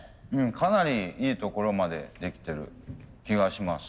かなりいいところまでできてる気がします。